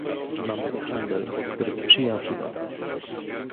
Mamy handel, który sprzyja Chinom